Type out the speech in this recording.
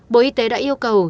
bộ y tế đã yêu cầu